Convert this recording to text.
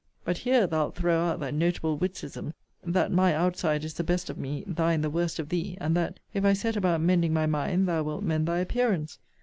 But here thou'lt throw out that notable witticism, that my outside is the best of me, thine the worst of thee; and that, if I set about mending my mind, thou wilt mend thy appearance.